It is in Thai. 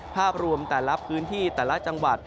ภาพรวมแต่ละพื้นที่แต่ละจังหวัด